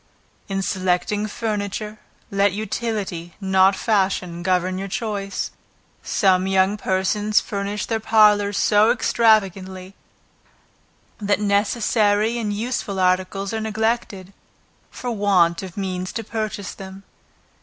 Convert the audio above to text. In selecting furniture, let utility, not fashion, govern your choice; some young persons furnish their parlors so extravagantly, that necessary and useful articles are neglected, for want of means to purchase them.